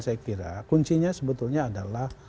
saya kira kuncinya sebetulnya adalah